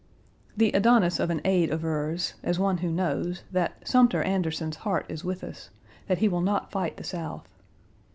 The Adonis of an aide avers, as one who knows, that "Sumter" Anderson's heart is with us; that he will not fight the South.